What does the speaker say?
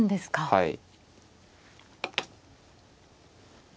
はい。